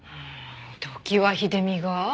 常盤秀美が？